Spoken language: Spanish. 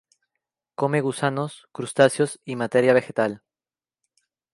Come gusanos, crustáceos y materia vegetal.